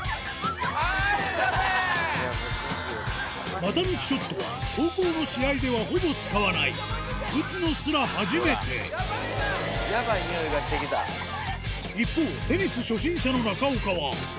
股抜きショットは高校の試合ではほぼ使わない打つのすら初めて一方テニス初心者の中岡は痛っ！